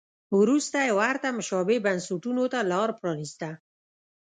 وروسته یې ورته مشابه بنسټونو ته لار پرانیسته.